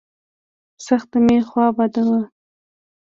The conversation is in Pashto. سخته مې خوا بده وه.